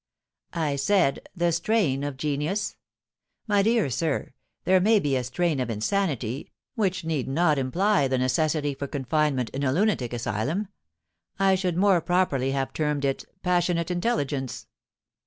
* I said the " strain of genius." My dear sir, there may be a strain of insanity, which need not imply the necessity for confinement in a lunatic asylum. I should more pro perly have termed it passionate intelligence.